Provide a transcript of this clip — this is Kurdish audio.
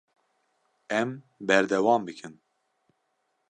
Em berdewam bikin.